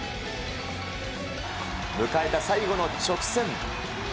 迎えた最後の直線。